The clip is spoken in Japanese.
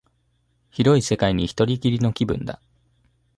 広い世界に一人きりの気分だ